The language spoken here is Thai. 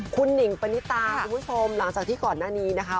คุณหนิงปณิตาคุณผู้ชมหลังจากที่ก่อนหน้านี้นะคะ